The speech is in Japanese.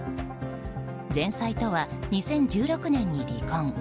前妻とは２０１６年に離婚。